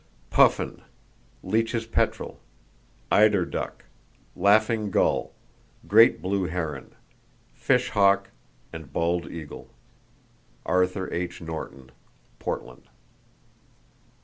Puffin, Leach's petrel, eider duck, laughing gull, great blue heron, fish hawk and bald eagle.—(Arthur H. Norton, Portland.)